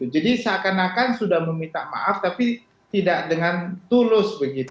jadi seakan akan sudah meminta maaf tapi tidak dengan tulus begitu